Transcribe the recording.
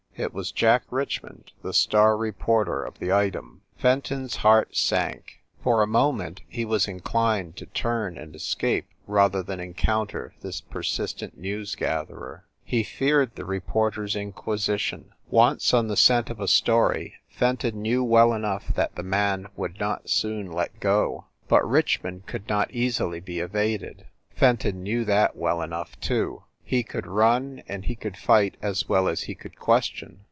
It was Jack Richmond, the star reporter of the Item. Fenton s heart sank. For a moment he was in clined to turn and escape rather than encounter this persistent news gatherer. He feared the report er s inquisition. Once on the scent of a story, Fen 298 FIND THE WOMAN ton knew well enough that the man would not soon let go. But Richmond could not easily be evaded; Fenton knew that well enough, too. He could run and he could fight as well as he could question.